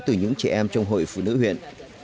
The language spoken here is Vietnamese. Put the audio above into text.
từ những trẻ em trong hội phụ nữ huyện